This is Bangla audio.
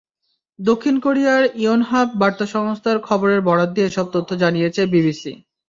দক্ষিণ কোরিয়ার ইয়োনহাপ বার্তা সংস্থার খবরের বরাত দিয়ে এসব তথ্য জানিয়েছে বিবিসি।